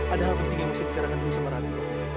ada hal penting yang harus dicarakan sama ratu